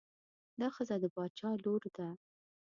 دا ښځه د باچا لور ده.